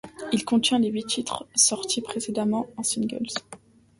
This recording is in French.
Il contient les huit titres sortis précédemment en singles.